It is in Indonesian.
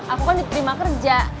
aku kan diterima kerja